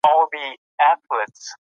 کاغۍ په دوامداره توګه کغیږي.